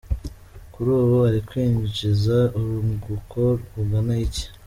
Kuri ubu ari kwinjiza urwunguko rugana iki?.